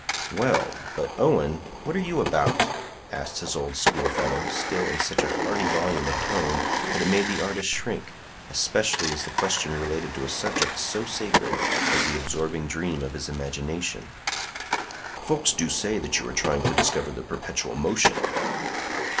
"Well, but, Owen, what are you about?" asked his old school fellow, still in such a hearty volume of tone that it made the artist shrink, especially as the question related to a subject so sacred as the absorbing dream of his imagination. "Folks do say that you are trying to discover the perpetual motion."